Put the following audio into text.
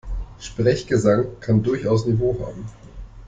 Sprechgesang kann durchaus Niveau haben.